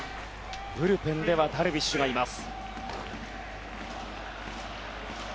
ブルペンではダルビッシュがいます。